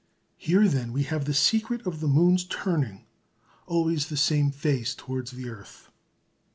Here, then, we have the secret of the moon's turning always the same face towards the earth.